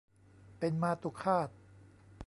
เป็นมาตุฆาต